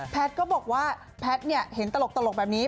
ก็บอกว่าแพทย์เห็นตลกแบบนี้